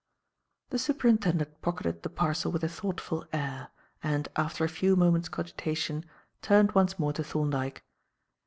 The Superintendent pocketed the parcel with a thoughtful air, and, after a few moments' cogitation, turned once more to Thorndyke.